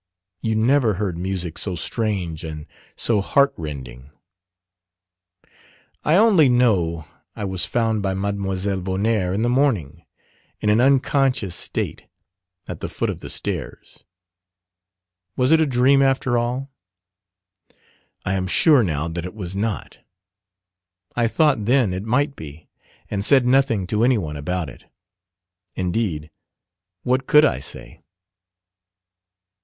You never heard music so strange and so heart rending! I only know I was found by Mlle Vonnaert in the morning, in an unconscious state, at the foot of the stairs. Was it a dream after all? I am sure now that it was not. I thought then it might be, and said nothing to anyone about it. Indeed, what could I say?